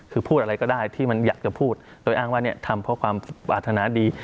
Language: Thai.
คือพูดอะไรก็ได้ที่มันอยากจะพูดโดยอ้างว่าทำเพราะความปรารถนาดี